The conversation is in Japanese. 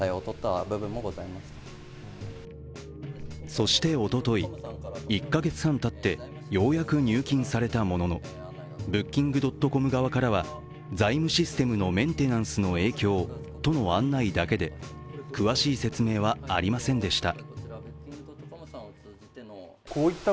そして、おととい、１か月半たってようやく入金されたものの、Ｂｏｏｋｉｎｇ．ｃｏｍ側からは、財務システムのメンテナンスの影響との案内だけで詳しい説明はありませんでした。